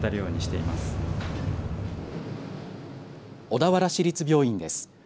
小田原市立病院です。